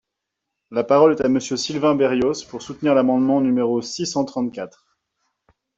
La parole est à Monsieur Sylvain Berrios, pour soutenir l’amendement numéro six cent trente-quatre.